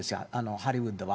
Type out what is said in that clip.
ハリウッドは。